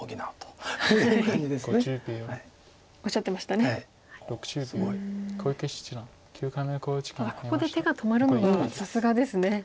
ただここで手が止まるのがさすがですね。